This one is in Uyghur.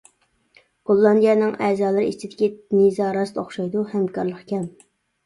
گوللاندىيەنىڭ ئەزالىرى ئىچىدىكى نىزا راست ئوخشايدۇ، ھەمكارلىق كەم.